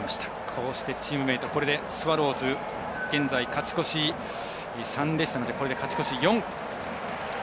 こうして、チームメートスワローズ勝ち越し３でしたのでこれで勝ち越し４。